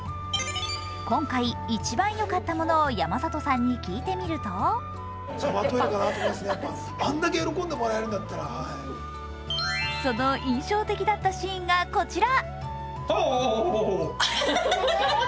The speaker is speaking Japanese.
今回、一番よかったものを山里さんに聞いてみるとその印象的だったシーンがこちら。